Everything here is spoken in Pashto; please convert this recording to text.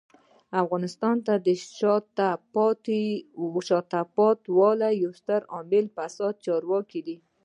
د افغانستان د شاته پاتې والي یو ستر عامل د فسادي چارواکو دی.